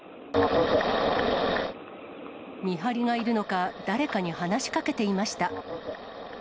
見張りがいるのか、誰かに話しかけていました。